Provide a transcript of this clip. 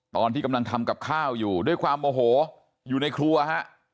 ตอนที่กำลังทำกับข้าวอยู่ด้วยความโอโหอยู่ในครัวฮะ